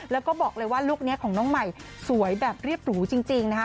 แล้วก็บอกเลยว่าลูกนี้ของน้องใหม่สวยแบบเรียบหรูจริงนะคะ